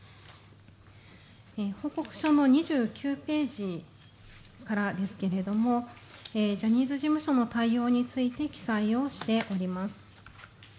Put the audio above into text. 報告書の２９ページからですけども、ジャニーズ事務所の対応について記載をしております。